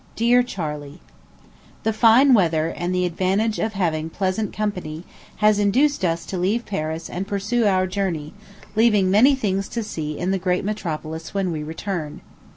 DEAR CHARLEY: The fine weather, and the advantage of having pleasant company, has induced us to leave Paris and pursue our journey, leaving many things to see in the great metropolis when we return.